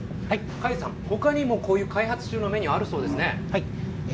甲斐さん、ほかにもこういう開発中のメニューあるそうですね。